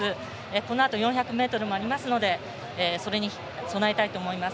このあと４００ｍもありますのでそれに備えたいと思います。